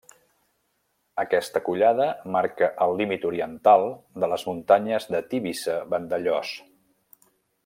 Aquesta collada marca el límit oriental de les Muntanyes de Tivissa-Vandellòs.